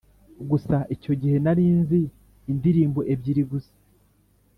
gusa icyo gihe nari nzi indirimbo ebyiri gusa,